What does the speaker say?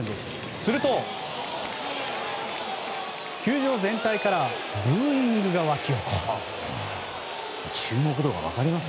すると、球場全体からブーイングが沸き起こります。